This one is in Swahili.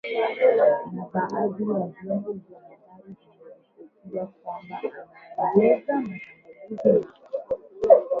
Na badhi ya vyombo vya habari vimeripoti kwamba anaongoza mashambulizi mapya.